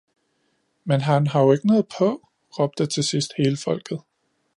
"Men han har jo ikke noget på," råbte til sidst hele folket.